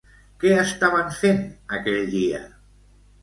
Què estaven fent aquell dia?